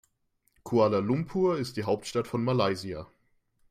Kuala Lumpur ist die Hauptstadt von Malaysia.